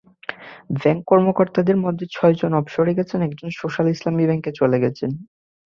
Bank কর্মকর্তাদের মধ্যে ছয়জন অবসরে গেছেন, একজন সোশ্যাল ইসলামী ব্যাংকে চলে গেছেন।